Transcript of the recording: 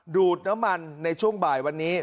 ดูดน้ำมันในช่วงบ่ายวันนี้